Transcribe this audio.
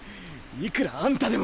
いくらあんたでも。